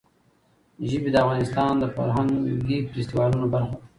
ژبې د افغانستان د فرهنګي فستیوالونو برخه ده.